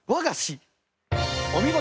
お見事！